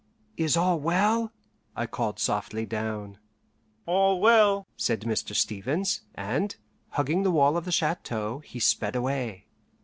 "Is all well?" I called softly down. "All well," said Mr. Stevens, and, hugging the wall of the chateau, he sped away.